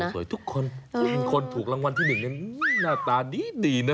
สวยทุกคนคนถูกรางวัลที่หนึ่งน่าตานี้ดีนะ